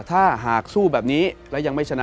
ถ้าหากสู้แบบนี้แล้วยังไม่ชนะ